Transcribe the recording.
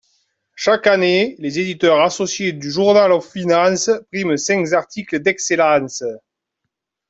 Chaque année, les éditeurs associés du Journal of Finance priment cinq articles d'excellence.